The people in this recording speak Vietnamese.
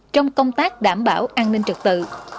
trong công tác đảm bảo an ninh trực tự